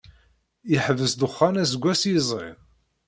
Yeḥbes ddexxan aseggas yezrin.